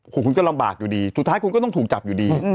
คุณก็ลำบากอยู่ดีสุดท้ายคุณก็ต้องถูกจับอยู่ดี